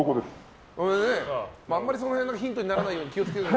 あまりその辺、ヒントにならないように気を付けて。